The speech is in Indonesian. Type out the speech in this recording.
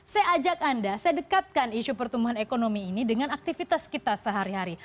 saya ajak anda saya dekatkan isu pertumbuhan ekonomi ini dengan aktivitas kita sehari hari